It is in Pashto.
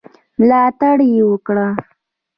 ملاتړ یې وکړ.